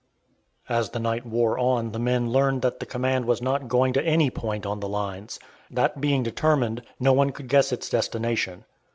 As the night wore on the men learned that the command was not going to any point on the lines. That being determined, no one could guess its destination.